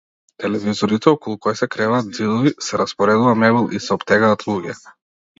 Телевизорите околу кои се креваат ѕидови, се распоредува мебел и се оптегаат луѓе.